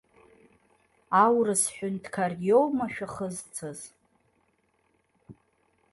Аурыс ҳәынҭқар иоума шәахызцаз?